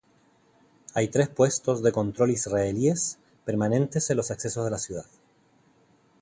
Hay tres puestos de control israelíes permanentes en los accesos a la ciudad.